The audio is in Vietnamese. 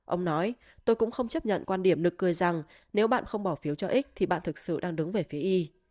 ông nói tôi cũng không chấp nhận quan điểm nực cười rằng nếu bạn không bỏ phiếu cho x thì bạn thực sự đang đứng về phía y